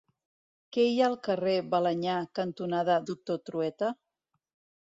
Què hi ha al carrer Balenyà cantonada Doctor Trueta?